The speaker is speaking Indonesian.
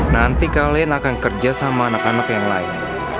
nanti kalian akan kerja sama anak anak yang lain